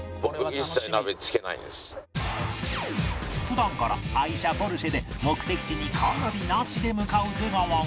普段から愛車ポルシェで目的地にカーナビなしで向かう出川が